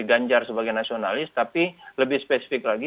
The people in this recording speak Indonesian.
ganjar sebagai nasionalis tapi lebih spesifik lagi